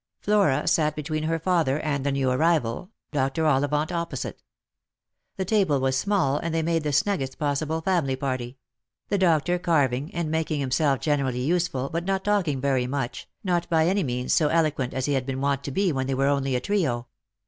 Flora sat between her father and the new arrival, Dr. Ollivant opposite. The table was small, and they made the snuggest possible family party ; the doctor carving, and making himself generally useful, but not talking very much, not by any means so eloquent as he had been wont to be when they were only a trio.